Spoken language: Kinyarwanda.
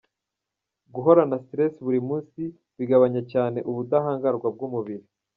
Guhorana stress buri munsi bigabanya cyane ubudahangarwa bw’umubiri.